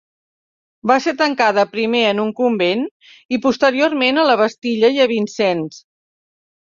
Va ser tancada primer en un convent i, posteriorment, a la Bastilla i Vincennes.